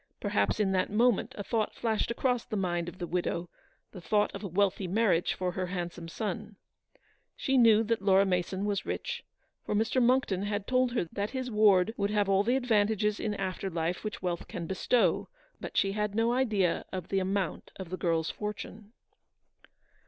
Perhaps in that moment a thought flashed across the mind of the widow ; the thought of a wealthy marriage for her handsome son. She knew that Laura Mason was rich, for Mr. Monckton had told her that his ward would have all the advan tages in after life which wealth can bestow ; but LATJXCELOT. 291 she had no idea of the amount of the girl's fortune.